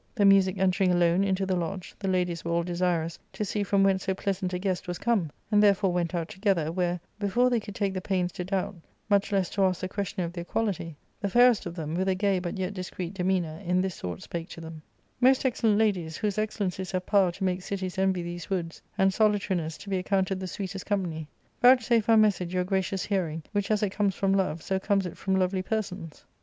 The music entering alone into the lodge, the ladies were all desirous to see from whence so pleasant a guest was come, and therefore went out together, where, before they could take the pains to doubt, much less to ask the question of their quality, the fairest of them, with a gay but yet dis creet demeanour, in this sort spake to them —Most excellent ladies, whose excellencies have power to make cities envy these woods, and solitariness to be accounted the sweetest company, vouchsafe our message your gracious hearing, which, as it comes from love, so comes it from lovely persons.